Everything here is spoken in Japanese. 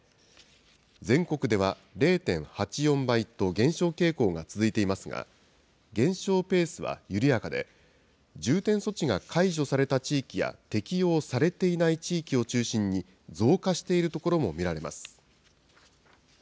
全国では０．８４倍と減少傾向が続いていますが、減少ペースは緩やかで、重点措置が解除された地域や適用されていない地域を中心に、増加している所も見られます。